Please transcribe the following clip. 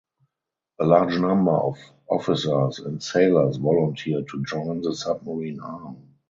A large number of officers and sailors volunteered to join the submarine arm.